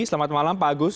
selamat malam pak agus